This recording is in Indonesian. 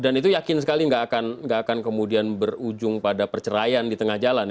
dan itu yakin sekali nggak akan kemudian berujung pada perceraian di tengah jalan